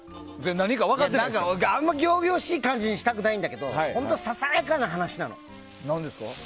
あんま仰々しい感じにしたくないんだけど本当、ささやかな話なの。